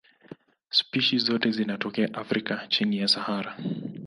Spishi zote zinatokea Afrika chini ya Sahara.